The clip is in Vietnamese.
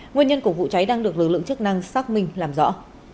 nguyên nhân của vụ cháy đang được lực lượng chức năng xác minh làm rõ